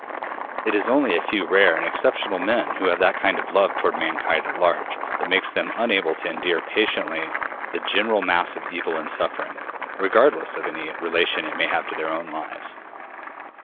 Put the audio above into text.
It is only a few rare and exceptional men who have that kind of love toward mankind at large that makes them unable to endure patiently the general mass of evil and suffering, regardless of any relation it may have to their own lives.